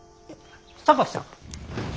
榊さん。